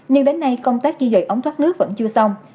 nhưng đến nay công tác di dời ống thoát nước vẫn chưa xong